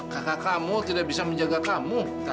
kakak kamu tidak bisa menjaga kamu